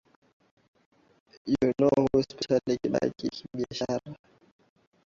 you know especially kibiashara ki